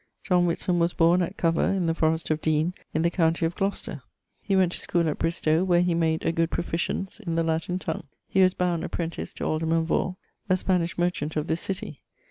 John Whitson was borne at Cover in the Forest of Deane in the countie of Glocester. He went to schoole at Bristow, where he made a good proficience in the Latin tongue. He was bound apprentice to alderman Vawr, a Spanish merchant of this city.